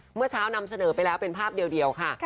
เมื่อเช้านำเสนอไปแล้วเป็นภาพเดียวค่ะ